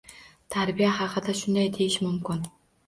Tarbiya haqida shunday deyish mumkin.